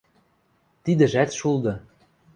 Тидӹжӓт шулды...